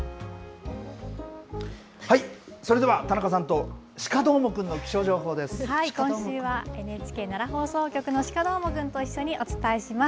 それでは、田中さんと鹿どー今週は、ＮＨＫなら放送局の鹿どーもくんと一緒にお伝えします。